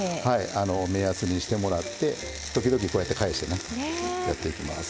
目安にしてもらって時々、返してやっていきます。